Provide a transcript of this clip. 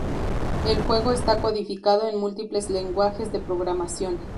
El juego está codificado en múltiples lenguajes de programación.